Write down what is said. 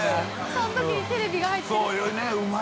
そのときにテレビが入ってる。